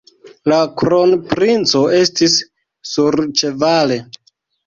La kronprinco estis surĉevale.